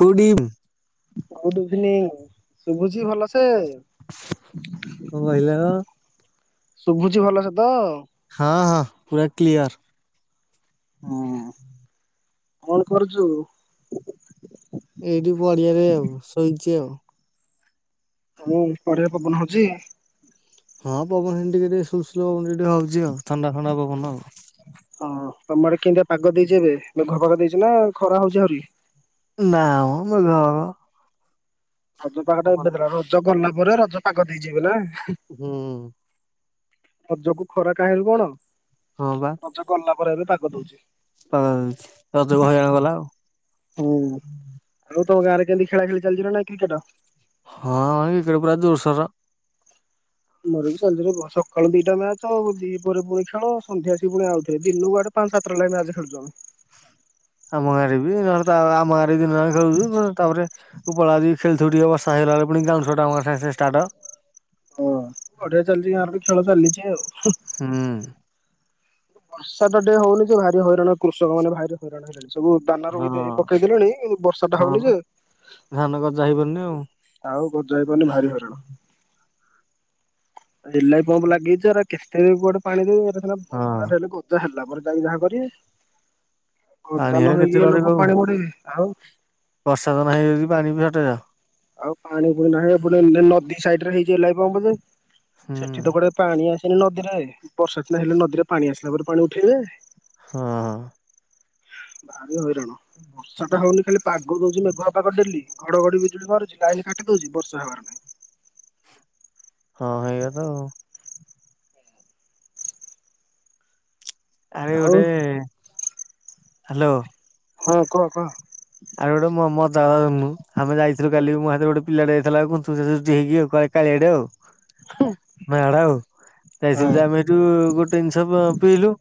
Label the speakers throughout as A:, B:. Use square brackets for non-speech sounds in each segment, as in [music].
A: କଡ଼ିମ୍।
B: Good evening ଶୁଭୁଜୀ ଭଲସେ?
A: କଣ କହିଲ?
B: [inaudible] ଶୁଭୁଚି ଭଲସେ ତ?
A: ହଁ ହଁ ପୁରା କ୍ଲିୟର।
B: ହୁଁ କଣ କରୁଚୁ?
A: ଏଇଠି ପଡିିଆରେ ଆଉ ଶୋଇଚି ଆଉ।
B: ହଁ ପରଆ ପବନ ହଉଛି।
A: ହଁ ପବନ ହିଣ୍ଡି କେ ଶୁ ପବନ ହିଚି ହଉଛି ଆଉ ଥଣ୍ଡା ଫଣ୍ଡା ପବନ ଆଉ।
B: ତମଡେ କେମତି ପାଗ ଦେଇଛି ଏବେ ଏ ଘ ପାଘ ଦେଇଛି ନା ଖରା ହଉଛି ଆହୁରି।
A: ନାମ ମେଘ ପାଗ।
B: ରଜ ପାଖଟା ଏବେ ଥିଲା ରଜ ଗଲା ଘରେ ରଜ ପାକ ଦେଇଛିିବ ଏବେ ନା।
A: ହୁଁ।
B: ତଜକୁ ଖରା କାହିଁରୁକଣ।
A: ହଁ ବା
B: ରାଜ ଗଲା। ପରେ ଏବେ ପାଗ ଦଉଛି।
A: ପାଗ ଦଉଚି ହଁ ରଜକୁ ହଇରାଣ କଲା ଆଉ। ହୁଁ।
B: ଆଉ ତମ ଗାଁରେ କେମି ଖେଳା ଖେଳି ଚାଲି ନା ନାଇ କ୍ରିକେଟ।
A: ହଁ ଏଇଥର ପୁରା ଜୋରସୋର।
B: ମୋ ବି ଚାଲିଚିରେ ପୁଅ। କଣ ଦିଟା ମ୍ୟାଚ ଆଉ ଦି ପରେ ପୁଣି ଖେଳ ସନ୍ଧ୍ୟାସି ପୁଣି ଆଉଥିବେ ଦିନକୁ ଆଡେ ପାଞ୍ଚ ସାତଟା ଲେ ମ୍ୟାଚ ଖେଳୁଚୁ ଆମେ।
A: ତମ ଗାଁ ରେ ବି ଆମ ଗାଁ ରେ ଦିନ ଜାଙ୍କ ଖେଳୁଛୁ ଟ ପରେ ମୁଁ ପଳେଇ ଆସୁଚି। ଖେଳିଥିବୁ ଟିକେ ବର୍ଷା ହେଇଗଲା ବୋଲେ ପୁଣି ଗ୍ରାଉଣ୍ଡ ସଟ ଷ୍ଟାର୍ଟ।
B: ଓ ବଢିଆ ଚାଲଛି ଗାଁ ରେ। ଖେଳ ଚାଲିଚି ଆଉ।
A: ହୁଁ।
B: ବର୍ଷାଟା ଟିକେ ହଉନି ଭାରି ହଇରାଣ କୃଷକ ମାନେ ଭାରି ହଇରାଣ ହେଲେଣି। ସବୁ ଦାନା ର
A: ହଁ
B: ପକେଇଦେଲେଣି ବର୍ଷା ଟା
A: ହଁ
B: ହଉନି
A: ବା
B: ଯେ
A: ଧାନ ଗଜା ହେଇପାରୁନି ଆଉ।
B: ଆଉ। ଗଜ। ଭାରି ହଇରାଣ। ଏଲାଇ ପମ୍ପ ଲାଗେଇଛି କେତେ କୁଆଡେ ପାଣି ଦେବ। ହେଲେ
A: ହଁ
B: ବ ତା ହେଲେ ଗଜା ହେଲା ପରେ। ଯାହା କରିବେ।
A: ପାଣି
B: ଗଜା
A: ହେଲେ
B: ନ
A: କେତେ
B: ହେଇକି ଲୋକ
A: କରିବୁ।
B: ପାଣି ମଡେଇ ଆଉ।
A: ବର୍ଷା ତ ନାହିଁ ବୋଲି ପାଣି ବି ସଟେଜ।
B: ଆଉ ପାଣି ପୁଣି ନାହିଁ ନଦୀ ସାଇଡରେ ହେଇ ଏଲାଇ ପମ୍ପ ଯେ।
A: ହୁଁ
B: ସେଠି ତ ଗୋଟେ ପାଣି ଆସ। ସେ ନଦୀରେ ବର୍ଷା ଦିନ ହେଲେ ନଦୀରେ ପାଣି ଆସିଲା ପରେ ପାଣି ଉଠେଇବେ।
A: ହଁ।
B: ଭାରି ହଇରାଣ ବର୍ଷା ଟା ହଉନି ଖାଲି ପାଗ ଦଉଛି, ମେଘୁଆ ପାଗ ଡେଲି ଘଡଘଡି ବିଜୁଳି ମାରୁଛି, ଲାଇନ କାଟି ଦଉଛି, ବର୍ଷା ହେବାର ନାହିଁ।
A: ହଁ ହେଇଆ ତ। ଆରେ
B: ଆଉ
A: ଗୋଟେ ହାଲୋ।
B: ହଁ କୁହ କୁହ।
A: ଆଉ ଗୋଟ ମ-ମ ତା ଆମେ ଯାଇଥିଲୁ କାଲି ମୁଁ ସାଥେ ଗୋଟେ ପିଲାଟେ ଯାଇଥିଲା [unintelligible] ହେଇକି କାଳିଆଟେ ଆଉ। [inaudible] ଆଉ ଯାଇଥିଲି
B: ହଁ
A: ଯେ ଆମେ ଏଇଠୁ ଗୋଟେ ଜିନିଷ ପିଇଲୁ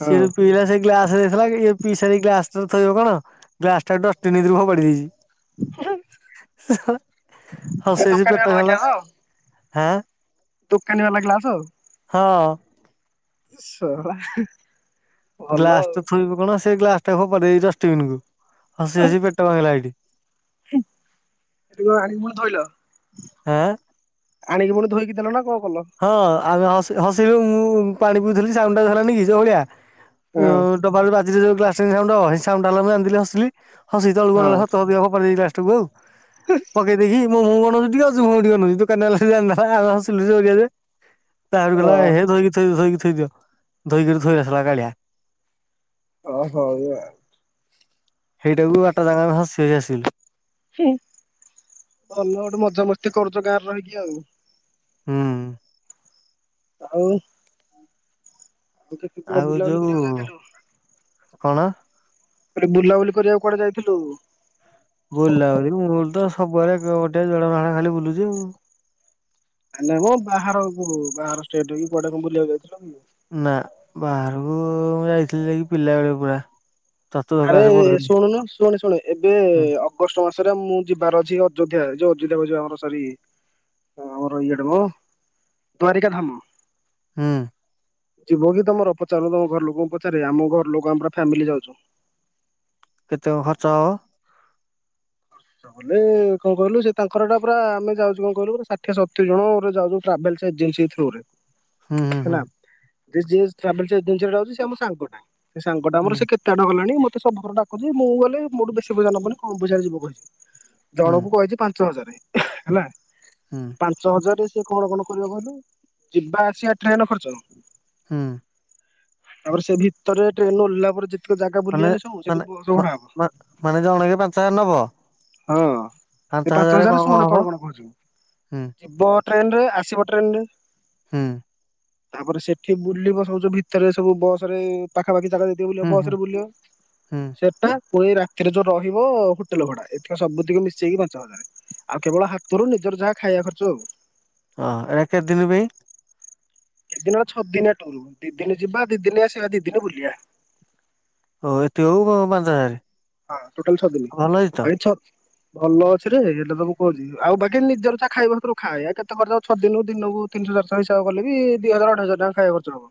B: ହଁ।
A: ସିଏ ବି ପିଇଲା ସେ ଗ୍ଲାସ ଦେଇଥିଲା ପିଇ ସାରି ଗ୍ଲାସ ଥୋଇବ କଣ ଗ୍ଲାସଟା ଡଷ୍ଟବିନ୍ ଭିତରେ ଫୋପାଡି ଦେଇଛି। ହଉ
B: ଏ
A: ସେଇ ଯ
B: ଦୋକାନୀ
A: ପେଟ
B: ବାଲାର
A: କଲା
B: ଗ୍ୟାସ
A: ହଁ।
B: ଦୋକାନୀ ବାଲା ଗ୍ଲାସ ଆଉ।
A: ହଁ
B: ଶଳା। ଭଲ
A: ଗ୍ଲାସ୍
B: ଆଉ
A: ଟ ଥୋଇବୁ କଣ ସେ ଗ୍ଲାସ ଟା ଫୋପାଡ଼ି ଦେ ଏଇ ଡଷ୍ଟବିନ୍ କୁ। ହସି ହସି ପେଟ ଭାଙ୍ଗିଲା ଏଇଠି।
B: ହୁଁ ଏଠାକୁ ଆଣିି ପୁଣି ଧୋଇଲ?
A: ହାଁ
B: ଆଣିକି ପୁଣି ଧୋଇକି ଲ୍ ନା କ
A: ହଁ ଆମେ ଅସ୍ ହସିକି ମୁଁ ପାଣି ପିଉଥିଲି ସାଉଣ୍ଡ ଟା ହେଲାନି କି ଯୋଉ ଭଳିଆ ଉ ଉ
B: ହଁ।
A: ଉ ଡବାରୁ ବାଜିଛି ଯୋଉ ପ୍ଲାଷ୍ଟିକ ସାଉଣ୍ଡ ହବ, ସାଉଣ୍ଡ ହେଲା ବେଳକୁ ମୁଁ ଜାଣିଦେଲି ହସିଲି। ହସିକି ତଳକୁ
B: ହଁ
A: ଅନେଇଲା ବେଳକୁ ତଳେ ଦେଖିଲା ବେଳକୁ କଣ ପଡ଼ି ଯାଇଛି ପ୍ଲାଷ୍ଟିକ । ତୁଭୁ ପକେଇ ଦେଇକି ମୁଁ ମୁଁ କଣ। [unintelligible] ତା ପରେ
B: ହଁ
A: କହିଲା ଏ ହେ ଧୋଇକି ଥୋଇବି ଧୋଇକି। ଧୋଇ ଦିଅ ଧୋଇକିରି ଥୋଇ ଆସିଲା କାଳିଆ।
B: ଅ ହଉ ଆଉ।
A: ସେଇଟାକୁ ବାଟ ସାରା ଆମେ ହସି ହସି ଆସିଲୁ।
B: ହୁଁ, ଭଲ ଗୋଟେ ମଜାମସ୍ତି କରୁଚ ଗାଁ ରେ ରହିକି ଆଉ।
A: ହୁଁ।
B: ଆଉ ତୁ [inaudible] ବୁଲା
A: ଆଉ
B: ବୁଲାବୁଲି
A: ଯୋଉ
B: କରିବାକୁ ଯାଇଥିଲୁ।
A: କଣ?
B: ଆରେ ବୁଲାବୁଲି କରିବାକୁ କୁଆଡେ ଯାଇଥିଲୁ?
A: ବୁଲାବୁଲି ମୁଁ ତ ସବୁବେଳେ ଗୋଟେ [unintelligible] ଖାଲି ବୁଲୁଚି ଆଉ।
B: ଆ, ନା ମ ବାହାରକୁ ବାହାର ଷ୍ଟେଟ କି କୁଆଡେ କଣ ବୁଲିବାକୁ ଯାଇଥିଲ କି?
A: ନା ବାହାରକୁ ମୁଁ ଯାଇଥିଲି ଯାଇକି ପିଲା ବେଳେ ପୁରା। ଚତୁର୍ଥ
B: ଆରେ
A: କ୍ଲାସ
B: ଏ, ଏ,
A: ପଢୁଥିଲି।
B: ଶୁଣୁନୁ ଶୁଣେ ଶୁଣେ ଏବେ
A: ହୁଁ
B: ଅଗଷ୍ଟ ମାସରେ ମୁଁ ଯିବାର ଅଛି ଅଯୋଧ୍ୟା। ଯୋଉ ଅଯୋଧ୍ୟା ହଉଚୁ ଆମର ସରି, ଅ, ଆମର ଇଏଟା ମୋ ଦ୍ଵାରିକା ଧାମ୍।
A: ହୁଁ।
B: ଯିବ କି ତୋମର ପଚାରୁନୁ ତୋମ ଘର ଲୋକଙ୍କୁ ପଚାରେ। ଆମ ଘର ଲୋକ ଆମେ ପୁରା ଫାମିଲି ଯାଉଚୁ।
A: କେତେ କଣ ଖର୍ଚ୍ଚ ହବ?
B: ନହେଲେ କଣ କହିଲୁ ସେ ତାଙ୍କର ଟା ପୁରା ଆମେ ଯାଉଚୁ କଣ କହିଲୁ ଷାଠିଏ ସତୁରି ଜଣ ପୁରା ଯାଉଚୁ ଟ୍ରାଭେଲ୍ ଏଜେନ୍ସି ଥ୍ରୁ ରେ।
A: ହୁଁ ହୁଁ
B: ହେଲା। ତ ଯିଏ ଟ୍ରାଭେଲ୍ସି ଏଜେନ୍ସୀରେ ରହୁଚି ସେ ଆମ ସାଙ୍ଗ ଟା। ସେ ସାଙ୍ଗଟା ମୋର
A: ହୁଁ
B: ସେ କେତେ ଆଡେ ଗଲାଣି। ମ ସେ ସବୁ ଥର ଡାକୁଚି ମୁଁ ଗଲେ ମୋ ଠୁ ବେଶୀ ପଇସା ନବନି, କମ୍ ପଇସାରେ ଯିବ। କହିଚି।
A: ହୁଁ ହୁଁ
B: ଜଣକୁ କହିଚି ପାଞ୍ଚ ହଜାର। ହେଲା।
A: ହୁଁ
B: ପାଞ୍ଚ ହଜାରେ ସେ କଣ କଣ କରିବ କହିଲୁ ଯିବା ଆସିବା ଟ୍ରେନ୍ ଖର୍ଚ୍ଚ।
A: ହଁ।
B: ତାପରେ ସେ ଭିତରେ ଟ୍ରେନ୍ ରୁ ଓହ୍ଲାଇଲା ପରେ ଯେ
A: ମାନେ ମାନେ ମା-ମା-ମାନେ ଜଣକେ ପାଞ୍ଚହଜାର ନବ?
B: ହଁ
A: ପାଞ୍ଚ
B: ସେ
A: ହଜାରରେ
B: ପାଞ୍ଚହଜାର ଶୁଣ
A: ହବ?
B: କଣ କଣ କହୁଚି
A: ହୁଁ
B: ମୁଁ ଯିବ ଟ୍ରେନ୍ ରେ ଆସିବ ଟ୍ରେନ୍ ରେ।
A: ହୁଁ।
B: ତାପରେ ସେଠି ବୁଲିବ ସବୁ ଯୋଉ ଭିତରେ ସବୁ ବସ୍ ରେ ଏ ପାଖାପାଖି ତାପରେ ଯେତିକି ବୁଲିବ
A: ହୁଁ
B: ବସ୍
A: ହୁଁ
B: ରେ ବୁଲିବ
A: ହୁଁ
B: ସେଟା ପୁଣି ରାତିରେ ଯୋଉ ରହିବ ହୁଟେଲ୍ ଭଡା। ଏତିକ ସବୁତିକ ମିଶେଇକି ପାଞ୍ଚହଜାର। ଆଉ କେବଳ ହାତରୁ ନିଜର ଯାହା ଖାଇବା ଖର୍ଚ୍ଚ ଆଉ।
A: ହଁ ଏଟା କେତେ ଦିନ ପାଇଁ?
B: କେତେ ଦିନ ଛଅ ଦିନ ଟୁର ଦି ଦିନ ଯିବା, ଦି ଦିନ ଆସିବା, ଦି ଦିନ ବୁଲିବା।
A: ଓ ଏତିକକୁ ପ-ପାଞ୍ଚହଜାର।
B: ହଁ ଟୋଟାଲ୍ ଛଅ ଦିନି। ହଁ ଏ ଛଅ ଭଲ ଅଛି ରେ, ଏଟା ତ ମୁଁ କହୁଚି। ଆଉ ବାକି ନିଜର ଯାହା ଖାଇବ ହାତରୁ ଖାଇବା କେତେ ଖର୍ଚ୍ଚ ହବ। ଛଅ ଦିନ ଦିନକୁ ତିନିଶହ ଚାରିଶହ ହିସାବ କଲେବି ଦି ହଜାର ଅଢେଇ ହଜାର ଟଙ୍କା ଖାଇବା ଖର୍ଚ୍ଚ ହବ।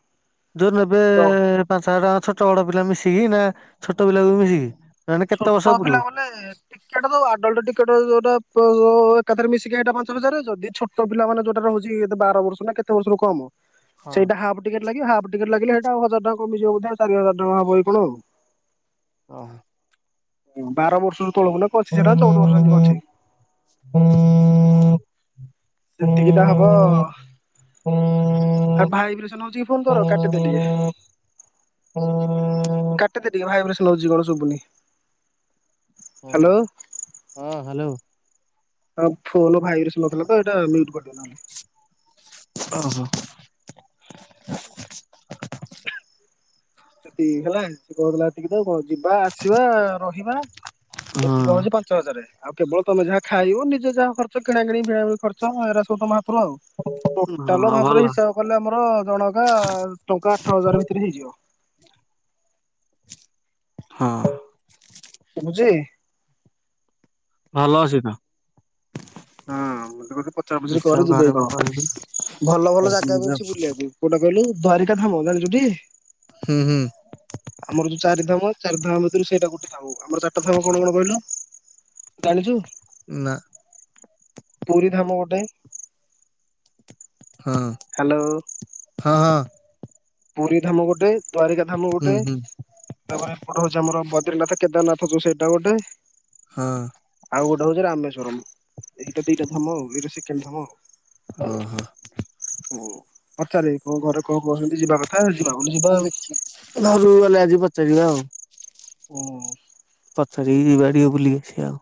A: ଯୋଉ ନେବେ ପାଞ୍ଚହଜାର ଟଙ୍କା ଛୋଟ ବଡ ପିଲା ମିଶିକି ନା । ଛୋଟ ପିଲାକୁବି ମିଶିକି ।
B: ଛୋଟ ପିଲା ମାନେ ଟିକେଟ ଦବୁ ଆଡଲଟ ଟିକେଟ ଯୋଉଟା। ତ ଏକାଥରେ ମିଶିକି ଏଇଟା ପାଞ୍ଚହଜାରେ ଯଦି ଛୋଟ ପିଲାମାନେ ଯୋଉଟାରେ ହଉଛି ଏଇଟା ବାର ବର୍ଷ ନା କେତେ ବର୍ଷରୁ କମ ।
A: ହଁ
B: ସେଇଟା ହାଫ୍ ଟିକେଟ ଲାଗିବ ହାଫ୍ ଟିକେଟ ଲାଗିଲେ । ହଁ ଆଉ ହଜାର ଟଙ୍କା କମିଯିବ ବୋଧେ ଚାରି ହଜାର ଟଙ୍କା ହବ କି କଣ ଆଉ ।
A: ଓ ହୋ।
B: ବାର ବର୍ଷରୁ ତଳକୁ ନା ପଚିଶ ଟଙ୍କା ଚଉଦ ବର୍ଷ କଣ ଏମତି ଅଛି ।
A: [unintelligible]
B: ସେତିକିଟା ହବ ଆଭାଇବ୍ରେସନ ହଉଛି କି ଫୋନ ତୋର କାଟିଦେ ଟିକେ
A: ଓହୋ।
B: କାଟିଦେ ଟିକେ ଭାଇବ୍ରେସନ । କଲ ଆଉଛି କଣ ସୁୁବୁନି ।
A: ଓ ହୋ ହଁ ହାଲୋ ।
B: ହଁ ଫୋନ ଭାଇବ୍ରେସନ ହୋଉଥିଲା ତ ଏଇଟା ମିଉଟ୍ କରିଦେ । ନହେଲେ ।
A: ଓହୋ ।
B: ସେତିକି ହେଲା ଶିବ କହୁଥିଲା ଏତିକି ତ କଣ ଅଛି । ଯିବା ଆସିବା ରହିବା
A: ହଁ
B: ଏତିକି ହେଉଛି ପାଞ୍ଚ ହଜାରେ । ଆଉ କେବଳ ତମେ ଯାହା ଖାଇବ ନିଯେ ଯାହା ଖର୍ଚ୍ଚ କିଣା କିଣି ଭିଣା ଭିଣି ଖର୍ଚ୍ଚ ଏରା ସବୁ ତମ ହାତ ରୁ ଆଉ ଟୋଟାଲ
A: ହଁ ଭଲ
B: ଭାବରେ ହିସାବ କଲେ ଆମ । ହଁ ଜଣ କା ଟଙ୍କା ଆଠ ହଜାର ଭିତରେ ହେଇଯିବ।
A: ହଁ ।
B: ବୁଝିବି ।
A: ଭଲ ଅଛି ତ।
B: ହଁ, ମୁଁ ପଚରା ପଚିରି କରେ
A: ଦେଖିବା
B: ଯିବେ
A: ଘରେ
B: କି
A: ମୁଁ
B: କଣ,
A: କହିବି
B: ଭଲ ଭଲ
A: ହୁଁ
B: ଜାଗା ବି ଅଛି ବୁଲିବାକୁ, କୋଉଟା କହିଲୁ ଦ୍ବାରିକା । ଧାମ ଜାଣିଛୁ ଟି।
A: ହୁଁ
B: ଆମର ଯୋଉ ଚାରିଧାମ। ଚାରି ଧାମ ଭିତରୁ ସେଇଟା ଗୋଟେ ଧାମ। ଆମର ଚାରିଟା ଧାମା କଣ କଣ କହିଲୁ? ଜାଣିଛୁ ।
A: ନା
B: ପୁରୀ ଧାମ ଗୋଟେ।
A: ହଁ
B: ହ୍ୟାଲୋ
A: ହଁ ହଁ ।
B: ପୁରୀ ଧାମ ଗୋଟେ । ଦ୍ୱାରିକା ଧାମ
A: ହୁଁ
B: ଗୋଟେ
A: ହୁଁ
B: ତାପରେ ଏପଟେ ହଉଛି ଆମର ବଦ୍ ରି ନାଥ କେଦାରନାଥ ଯୋଉ ସେଇଟା ଗୋଟେ।
A: ହଁ-
B: ଆଉ ଗୋଟେ ହଉଛି ରାମେଶ୍ଵରମ। ଏଇଟା ଦିଟା ଧାମ ଆଉ ଏଇଟା ସେକେଣ୍ଡ ଧାମ ଆଉ।
A: ଓ ହୋ
B: ଓ, ପଚାରେ କଣ ଘରେ କଣ କରୁଛନ୍ତି ଯିବା କଥା ଯିବା ବୋଲି ଯିବା ଆଉ
A: ଘରୁକୁ ଗଲେ ଆଜି ଚା ଯିବା ଆଉ।
B: ହୁ
A: ସେଠିକୁ ଯିବା ଟିକେ ବୁଲିକି ଆସିବା ଆଉ।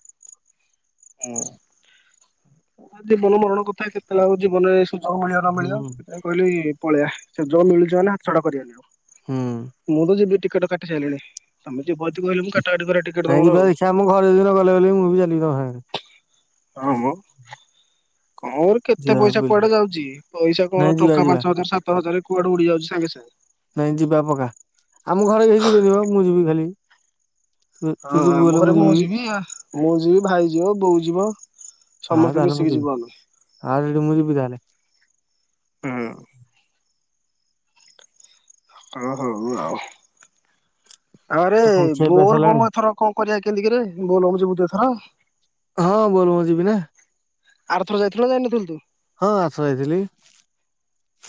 B: ହୁଁ ଜୀବନ, ମରଣ କଥା କେତେ ଆଉ ଜୀବନରେ ମିଳିବ ନ ମିଳିବ,
A: ହୁଁ
B: ସେଥିପାଇଁ କହିଲି ପଳେଇବା, ସୁଯୋଗ ମିଳୁଛିମାନେ ହାତଛଡ଼ା କରିବାନି
A: ହୁଁ।
B: ଆଉ।। ମୁଁ ତ ଯିବି ଟିକଟ କାଟି ସାରିଲିଣି, ତମେ ଯିବ ଯଦି କହିଲେ ମୁଁ କାଟାକାଟି କରିବା ଟିକେଟ
A: ନାଇଁ
B: ତମର
A: ଯିବା
B: ଆଉ
A: ଦେଖିବ ଆମ ଘରେ ଗଲେ ବୋଲି ମୁଁ ବି ଚାଲିିବି ତମ ସାଙ୍ଗରେ।
B: ହଁ ମ କଣ କେତେ
A: ଯିବା
B: ପଇସା
A: ବୁଲି
B: କୁଆଡେ ଯାଉଛି, ପଇସା
A: ନାଇଁ
B: କଣ
A: ଯିବା
B: ଟଙ୍କା
A: ଯିବା।
B: ପାଞ୍ଚ ହଜାର ସାତ ହଜାର କୁଆଡେ ଉଡି ଯାଉଛି ସାଙ୍ଗ ସାଙ୍ଗେ।
A: ନାଇଁ ଯିବା ପକା। ଆମ ଘରେ କେହି ଯିବେନି ମ ମୁଁ ଯିବି ଖାଲି। ତୁ ତୁ
B: ହଁ
A: ଯିବୁ
B: ଆମ
A: ବୋଲେ
B: ଘରେ ମୁଁ ଯିବି ଆ । ମୁଁ ଯିବି, ଭାଇ ଯିବ, ବୋଉ ଯିବ।
A: ହଁ,
B: ସମସ୍ତେ
A: ତାହାଲେ ମୁଁ
B: ମିଶିକି ଯିବୁ ଆମେ।
A: ଯିବି। [unintelligible] ସୁବିଧା ହେଲା।
B: ହୁଁ। ଓଃ ହଉ ଆଉ। ଆରେ
A: ଆଉ କଣ ଖିଆ ପିଆ
B: ବୋଲ
A: ସରିଲାଣି?
B: ବୋମ ଏଥର କଣ କରିବା କେମତିକିରେ ବୋଲବମ ଯିବୁ ତୁ ଏଥର।
A: ହଁ ବୋଲବମ୍ ଯିବି ନା
B: ଆରଥର ଯାଇଥିଲୁ ନା ଜାଇି ନଥିଲୁ ତୁ।
A: ହଁ ଆସ ଏଇଥିଲି।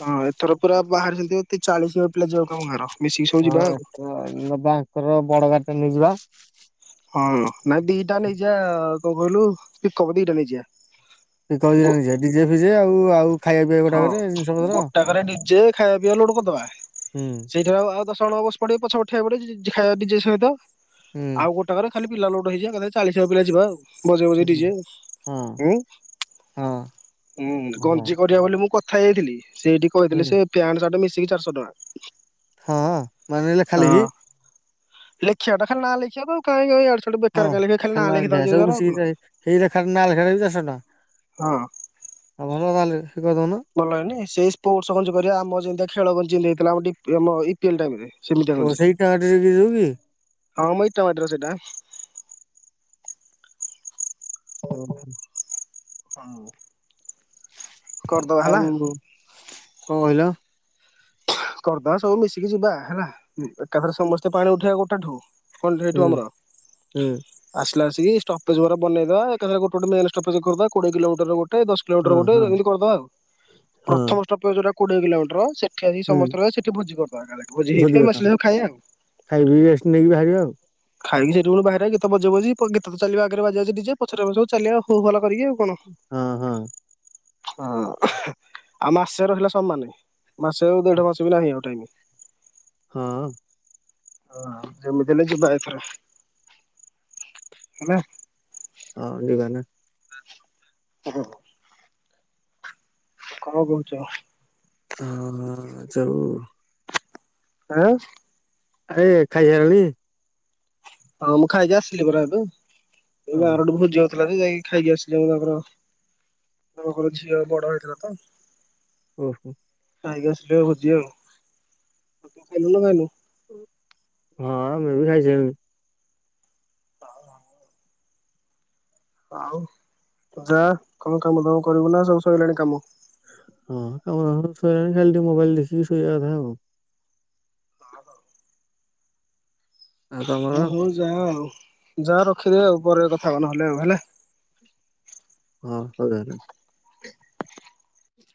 B: ହଁ ଏଥର ପୁରା ବାହାରିସନ୍ତି ଚାଳିସି ହବ ପିଲା ଯିବାକୁ ତମ ଗାଁର। ମିଶିକି ସବୁ
A: ହଁ
B: ଯିବା ଆଉ।
A: ଏଥର ଆ ବାଙ୍କର ବଡ ଗଡ଼ି ଟା ନେଇଯିବା।
B: ହଁ, ନାଇଁ ଦିଟା ନେଇଯିବା କଣ କହିଲୁ ପିକପ ଦିଟା ନେଇଯିବା।
A: ପିକପ ଦିଟା
B: ଗୋ
A: ନେଇଯିବା। ଡିଜେ ଫିଜେ ଆଉ ଆଉ ଖାଇବା ପିଇବା ଗୋଟାକରେ ଜିନିଷ ପତ୍ର।
B: ଯେ ଖାୟା ପିଇବା ଲୋଡ଼ କରିଦବା।
A: ହୁଁ
B: ସେଇଠାରୁ ଆ ଆଉ ଦଶ ଜଣ ବସିପଡିବେ ପଛପଟେ ଠିଆ ହେଇପଡିବେ [unintelligible] ଡିଜେ ସହିତ
A: ହୁଁ
B: ଆଉ ଗୋଟାକରେ ଖାଲି ପିଲା ଲୋଡ ହେଇଯିବା ଏକାଥରେ ଚାଳିଶ ପିଲା ଯିବା ଆଉ। ବଜେଈ ବଜେଈ
A: ହୁଁ
B: ଡିଜେ
A: ହଁ
B: ହୁଁ,
A: ହଁ ଭଲ
B: ହୁଁ ଗ ହେଲେ ମୁଁ କଥା ହେଇଥିଲି। ସେଇଠି କହିଥିଲେ
A: ହୁଁ
B: ସେ ଫ୍ୟାଣ୍ଟ ସାଟ୍ ମିସ୍ ମିଶିକି ଚାରିଶ ଟଙ୍କା।
A: ହଁ, ମାନିଲେ ଖାଲି ହି
B: ଲେଖିବା ଟା ଖାଲି ନାଁ ଲେଖିବାକୁ ଆଉ କାଇଁ ଏଇ ଅଡ୍
A: ହଁ। ଫାଇନାଲ ହେଇଗଲା। ସବୁ ମିଶିକି ତ ଆଉ। ହେଇଗଲା ଫାଇନାଲ୍ ଖେଳ ରେ ବି ଚାରଶ ଟଙ୍କା।
B: ହଁ
A: [unintelligible]
B: ଭଲ ହେଇନି ସେଇ ସ୍ପୋର୍ଟସ ଗଞ୍ଜି କରିବା ଆମର ଯେମିତିଆ ଖେଳ ଗଞ୍ଜ୍ ଯିଏ ନେଇଥିଲା ମତେ ଏ ଆମ ଇପକେଲ୍ ଟାଇମ‌୍ ରେ।
A: ଓହୋଃ ସେଇ କାର୍ଡ ରେ ବି ହଉଚି।
B: ହଁ ମୁଁ ଏଇ ତଡ୍ ର ସେଇଟା। କଣ ମୋ କରଦବା
A: ଆଉ
B: ହେଲା।
A: କଣ କହିଲ
B: କରିଦବା ସବୁ ମିଶିକି ଯିବା ହେଲା ଏକାଥରେ ସମସ୍ତେ ପାଣି ଉଠେଇବା ଗୋଟାଠୁ [unintelligible] ଠୁ
A: ହୁଁ
B: ଆମର
A: ହୁଁ
B: ଆସ୍ ହେଲା ଆସିକି ଷ୍ଟପେଜ ଗୁରା ବନେଇଦବା ଏକାଥରେ ଗୋଟେ ଗୋଟେ ମେନ ଷ୍ଟପେ୍ଜ କରିଦବା କୋଡିଏ କିଲୋମିଟର ଗୋ ଗୋଟେ ଦଶ କିଲୋମିଟର
A: ହଁ
B: ଗୋଟେ
A: ହଁ
B: ଏମିତି କରିଦବା ଆଉ
A: ହଁ
B: ପ୍ରଥମ ଷ୍ଟପେଜଗୁରା କୋଡ଼ିଏ କିଲୋମଟର ସେ ଠେରି
A: ହୁଁ
B: ସମସ୍ତେ ରହି ସେଠି ଭୋଜି କରିଦବା ଭୋଜି ହେଇଥିବ ଆମେ ଆସିଲେ ଖାଇବା ଆଉ।
A: ଖାଇ ପିଇ ରେଷ୍ଟ ନେଇକି ବାହାରିବା ଆଉ।
B: ଖାଇକି ସେଠି ପୁଣି ବାହାରିବା ଗୀତ ବଜେଇ ବଜେଇ ପୁଣି ଗୀତ ତ ଚାଲିବ ଆଗରେ ବାଜି ବାଜି ଡିଜେ ପଛରେ ଆମେ ସବୁ ଚାଲିଆ ହୋ ହାଲା କରିକି ଆଉ। କଣ।
A: ହଁ ହଁ।
B: ହଁ ଆଉ ମାସେ ରହିଲା ସମାନି। ମାସେ ଆଉ ଦେଢ ମାସେ ବି ନାହିଁ ଆଉ ଟାଇମ୍।
A: ହଁଅ।
B: ହଁ ଯେମିତି ହେଲେ ଯିବା ଏଥର ଆମେ
A: ହଁ ଯିବ ନା।
B: [unintelligible] କଣ କହୁଚ?
A: ହଁ ଯାଉ।
B: ଆଁ?
A: ଏ ଖାଇ ହେଲାଣି?
B: ହଁ ମୁଁ ଖାଇକି ଆସିଲି ପରା ଏବେ। ଏଇ
A: ଓହୋ
B: ଆରଡି ଗୋଟେ ଭୋଜି ଅ ଥିଲା ତ ଯାଇକି ଖାଇକି ଆସିଲି ମୁଁ ତାଙ୍କର ତାଙ୍କ ଘର ଝିଅ ବଡ ହେଇଥିଲା ତ।
A: ଓହୋ।
B: ଖାଇକି ଆସିଲି ଭୋଜି ଆଉ ତ ଖାଇଲୁ ନା ଖାଇନୁ?
A: ହଁ ମେ ବି ଖାଇସାଇଲିଣି।
B: ହଉ ହଉ। ଆଉ ତୁ ଯା କଣ କାମ ଦବ କରିବୁ ନା ସବୁ ସରିଲାଣି କାମ?
A: ହଁ କାମ ଦାମ ସବୁ ସଇଲାଣି, ଖାଲି ଟିକେ ମୋବାଇଲ୍ ଦେଖିକି ଶୋଇବା କଥା ଆଉ।
B: ହଁ ହଁ।
A: ଆଉ ତମର
B: ହଁ ହଉ ଯା ଆଉ। ଯା ରଖିଦେ ଆଉ ପରେ କଥା ହବା ନହେଲେ ଆଉ ହେଲା।
A: ହଁ ହଉ ତାହେଲେ।